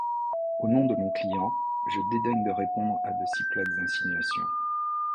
Au nom de mon client, je dédaigne de répondre à de si plates insinuations.